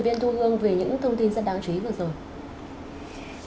viên thu hương về những thông tin rất đáng chú ý vừa rồi